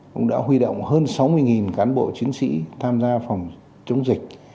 cũng đã huy động hơn sáu mươi cán bộ chiến sĩ tham gia phòng chống dịch